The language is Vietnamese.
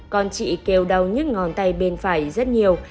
con chị kêu đau nhức ngón tay bên phải rất nhiều